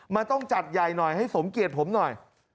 มันต้องจัดใหญ่หน่อยให้สมเกียจผมหน่อย